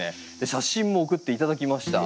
写真も送って頂きました。